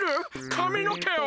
かみのけを！？